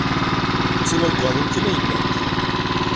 D timaggadin kan ay llant.